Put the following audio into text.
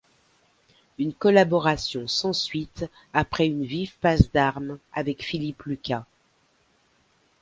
Une collaboration sans suite après une vive passe d'armes avec Philippe Lucas.